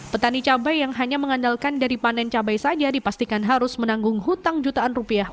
petani cabai yang hanya mengandalkan dari panen cabai saja dipastikan harus menanggung hutang jutaan rupiah